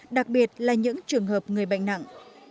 đặc biệt là những trường hợp người bệnh nặng